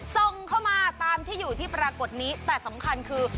ส่งเข้ามาตามที่อยู่ที่ปรากฏนี้แต่สำคัญคือ